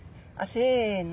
せの！